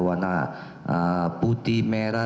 warna putih merah